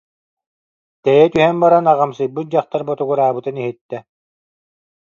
Тэйэ түһэн баран, аҕамсыйбыт дьахтар ботугураабытын иһиттэ